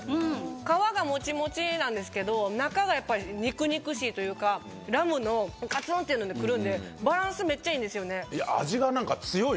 皮がもちもちなんですけど中が肉々しいというかラムのガツンっていうので来るんでバランスめっちゃいいんですよね。